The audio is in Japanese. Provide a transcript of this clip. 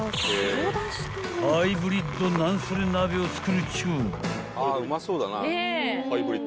［ハイブリッドなんそれ鍋を作るっちゅう］